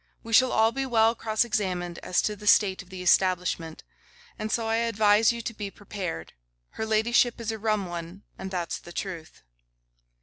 We shall all be well cross examined as to the state of the establishment; and so I advise you to be prepared. Her ladyship is a rum one, and that's the truth.